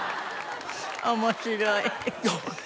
面白い。